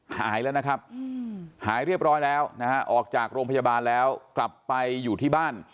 หายแล้วนะครับหายเรียบร้อยแล้วนะฮะออกจากโรงพยาบาลแล้วกลับไปอยู่ที่บ้าน